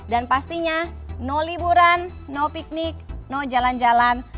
dan pastinya no liburan no piknik no jalan jalan